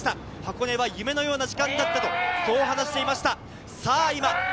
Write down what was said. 箱根は夢のような時間だったと話していました。